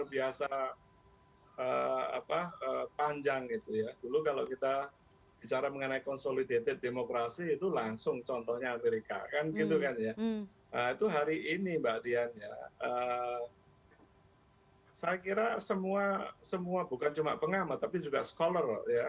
bukan cuma pengamat tapi juga scholar